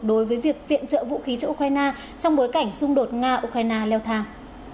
đối với việc viện trợ vũ khí cho ukraine trong bối cảnh xung đột nga ukraine leo thang